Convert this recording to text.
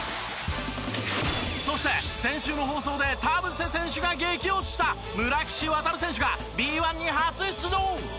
そして先週の放送で田臥選手が激推しした村岸航選手がＢ１に初出場！